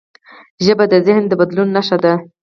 ژبه د ذهن د بدلون نښه ده.